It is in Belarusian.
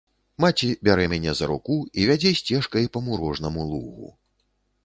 Маці бярэ мяне за руку і вядзе сцежкай па мурожнаму лугу.